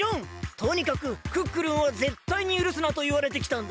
とにかくクックルンをぜったいにゆるすなといわれてきたんだ。